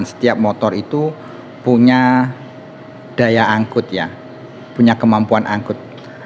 setiap motor itu punya daya angkut ya punya kemampuan angkut